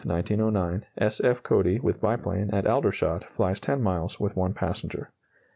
F. Cody, with biplane, at Aldershot, flies 10 miles with one passenger.